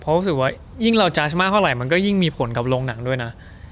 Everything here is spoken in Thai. เพราะรู้สึกว่ายิ่งเราจาสมากเท่าไหร่มันก็ยิ่งมีผลกับโรงหนังด้วยนะ